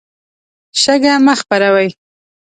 شګه مه خپروئ.